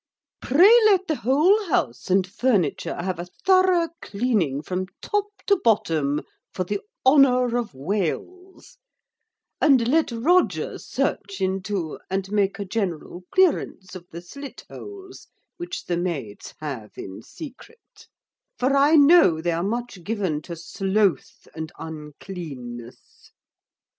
Pray let the whole house and furniture have a thorough cleaning from top to bottom, for the honour of Wales; and let Roger search into, and make a general clearance of the slit holes, which the maids have in secret; for I know they are much given to sloth and uncleanness.